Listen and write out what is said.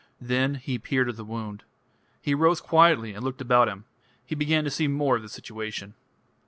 Then he peered at the wound. He rose quietly and looked about him. He began to see more of the situation.